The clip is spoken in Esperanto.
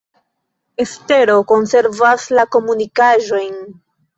Estero konservas la komunikaĵojn.